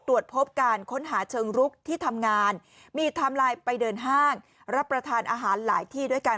ตรวจพบการค้นหาเชิงรุกที่ทำงานมีไทม์ไลน์ไปเดินห้างรับประทานอาหารหลายที่ด้วยกัน